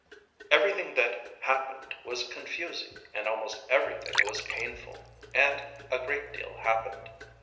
Everything that happened was confusing and almost everything was painful; and a great deal happened.